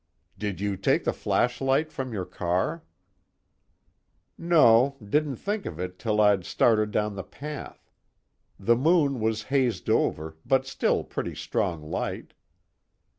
"Did you take the flashlight from your car?" "No, didn't think of it till I'd started down the path. The moon was hazed over, but still pretty strong light."